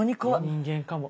人間かも。